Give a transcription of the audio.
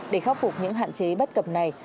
để khắc phục những hạn chế bất cập này